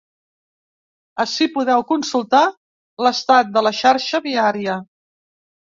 Ací podeu consultar l’estat de la xarxa viària.